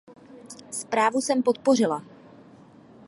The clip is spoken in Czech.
Zprávu jsem podpořila.